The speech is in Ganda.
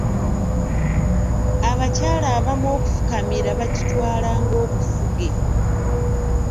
Abakyala abamu okufukamira bakitwala ng’obufuge.